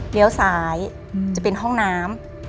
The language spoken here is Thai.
ซ้ายจะเป็นห้องน้ำ